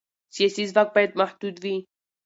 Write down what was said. سیاسي ځواک باید محدود وي